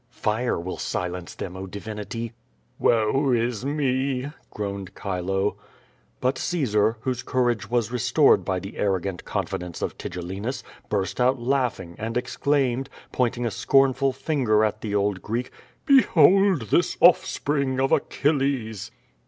"Fire will silence them, oh, divinity!" "Woe is me!" groaned Chile. But Caesar, whose courage was restored by the arrogant confidence of Tigellinus, burst out laughing, and exclaimed, pointing a scornful finger at the old Greek: "Behold this offspring of Achilles!"